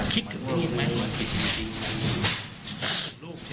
คิดถึงนี่มาอยู่สีกีดี